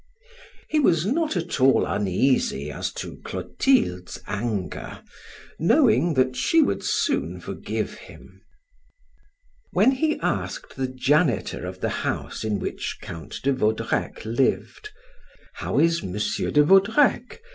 He was not at all uneasy as to Clotilde's anger, knowing that she would soon forgive him. When he asked the janitor of the house in which Count de Vaudrec lived: "How is M. de Vaudrec?